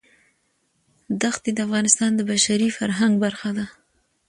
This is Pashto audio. ښتې د افغانستان د بشري فرهنګ برخه ده.